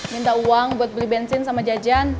minta uang buat beli bensin sama jajan